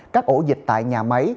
các ổ dịch tại nhà máy